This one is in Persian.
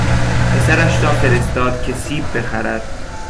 پسرش را فرستاد که سیب بخرد.